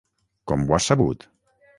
Com ho has sabut?